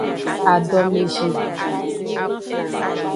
Adomezi.